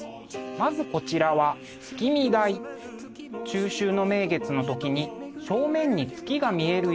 まずこちらは中秋の名月の時に正面に月が見えるよう造られています。